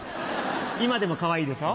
今でもかわいいでしょ？